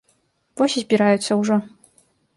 Вось і збіраюцца ўжо.